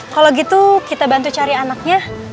kalau gitu kita bantu cari anaknya